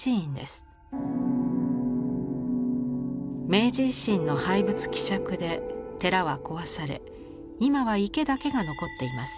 明治維新の廃仏毀釈で寺は壊され今は池だけが残っています。